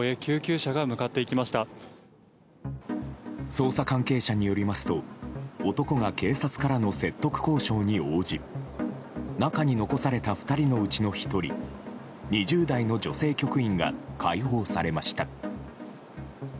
捜査関係者によりますと男が警察からの説得交渉に応じ中に残された２人のうちの１人２０代の女性局員が解放されました。